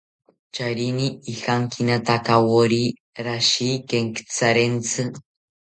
Charini ijankinatakawori rashi kenkitharentzi